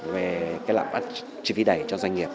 về cái lạm phát chi phí đẩy cho doanh nghiệp